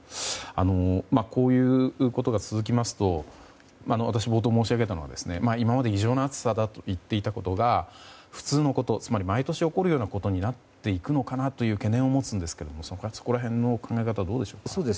こういうことが続きますと私、冒頭、申し上げたのは今まで異常な暑さだと言っていたことが、普通のことつまり毎年起こるようなことになっていくのかなという懸念を持つんですがそこら辺の考え方はどうでしょうか？